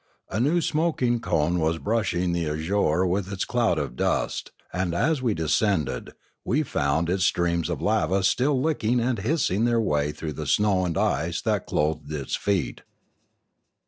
A new smoking cone was brushing the azure with its cloud of dust; and, as we descended, we found its streams of lava still licking and hissing their way through the snow and ice that clothed its feet.